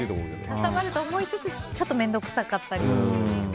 かさばると思いつつちょっと面倒くさかったり。